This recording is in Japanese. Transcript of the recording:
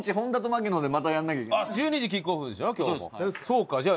そうかじゃあ。